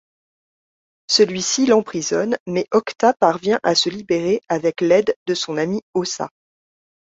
Celui-ci l'emprisonne, mais Octa parvient à se libérer avec l'aide de son ami Ossa.